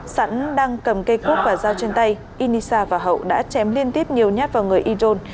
sẵn đang cầm cây cút và dao trên tay inisa và hậu đã chém liên tiếp nhiều nhát vào người idol